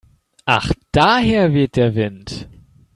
Ach daher weht der Wind.